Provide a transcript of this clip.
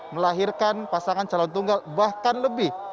melahirkan pasangan calon tunggal bahkan lebih